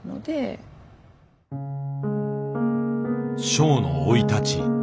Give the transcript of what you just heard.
ショウの生い立ち。